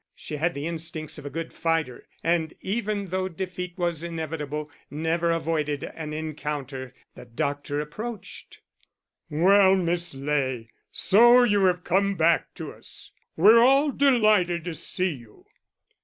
She had the instincts of a good fighter, and, even though defeat was inevitable, never avoided an encounter. The doctor approached. "Well, Miss Ley. So you have come back to us. We're all delighted to see you."